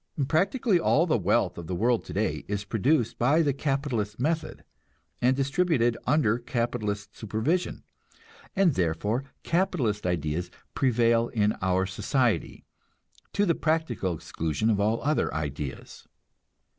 Practically all the wealth of the world today is produced by the capitalist method, and distributed under capitalist supervision, and therefore capitalist ideas prevail in our society, to the practical exclusion of all other ideas.